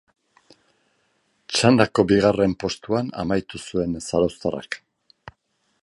Txandako bigarren postuan amaitu zuen zarauztarrak.